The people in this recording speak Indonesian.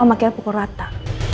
om makanya pukul rata